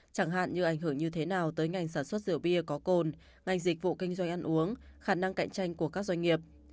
chẳng hạn như ảnh hưởng như thế nào tới ngành sản xuất rượu bia có cồn ngành dịch vụ kinh doanh ăn uống khả năng cạnh tranh của các doanh nghiệp